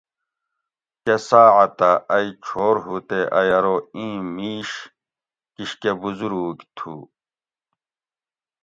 کہ ساعتہ ائ چھور ھو تے ائ ارو ایں میش کشکہ بوزوروگ تھو